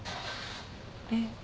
えっ？